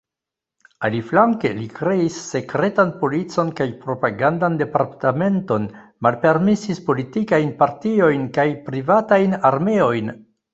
Aliflanke, li kreis sekretan policon kaj propagandan departementon, malpermesis politikajn partiojn kaj privatajn armeojn.